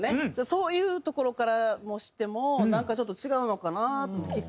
そういうところからしてもなんかちょっと違うのかなってきっかけとか。